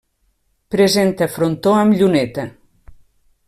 Presenta frontó amb lluneta.